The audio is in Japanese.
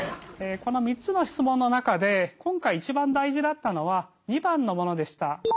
この３つの質問の中で今回一番大事だったのは②番のものでした。